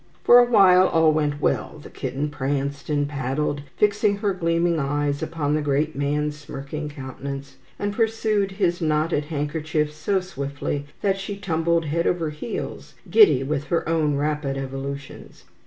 For a while all went well. The kitten pranced and paddled, fixing her gleaming eyes upon the great man's smirking countenance, and pursued his knotted handkerchief so swiftly that she tumbled head over heels, giddy with her own rapid evolutions.